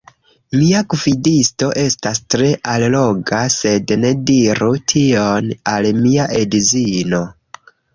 Mia gvidisto estas tre alloga sed ne diru tion al mia edzino!